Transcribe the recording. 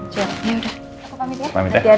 ya udah aku pamit ya